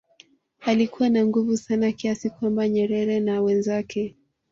alikuwa na nguvu sana kiasi kwamba Nyerere na wenzake